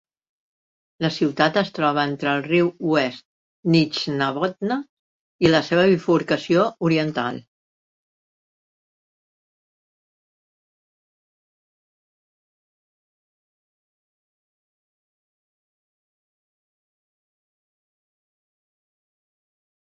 La ciutat es troba entre el riu West Nishnabotna i la seva bifurcació oriental.